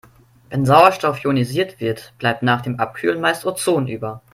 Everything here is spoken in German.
Wenn Sauerstoff ionisiert wird, bleibt nach dem Abkühlen meist Ozon über.